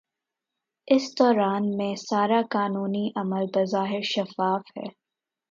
اس دوران میں سارا قانونی عمل بظاہر شفاف ہے۔